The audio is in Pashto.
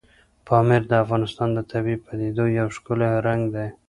پامیر د افغانستان د طبیعي پدیدو یو ښکلی رنګ دی.